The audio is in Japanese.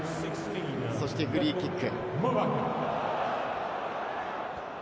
そしてフリーキック。